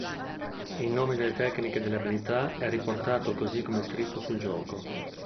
I nomi delle tecniche e delle abilità è riportato così come scritto sul gioco.